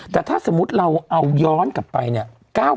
แต่ถ้าสมมุติเราเอาย้อนกลับไปเนี่ย